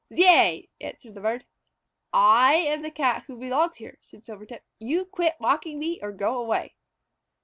"Zeay!" answered the bird. "I am the Cat who belongs here," said Silvertip. "You quit mocking me or go away!"